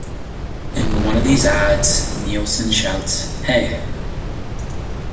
In one of these ads, Nielsen shouts, Hey!